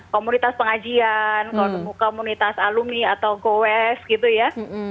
komunitas pengajian komunitas alumni atau go west gitu ya